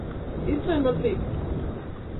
Irten hortik!